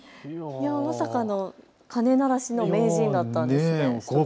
まさかの鐘鳴らしの名人だったんですね。